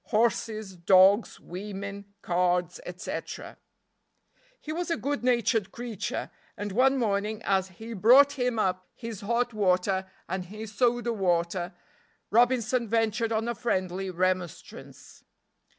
Horses, dogs, women, cards, etc. He was a good natured creature, and one morning as he brought him up his hot water and his soda water Robinson ventured on a friendly remonstrance.